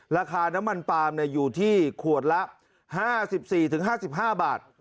ราคาน้ำมันปลามเนี่ยอยู่ที่ขวดละห้าสิบสี่ถึงห้าสิบห้าบาท